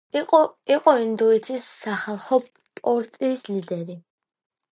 იყო ინდოეთის სახალხო პარტიის ლიდერი.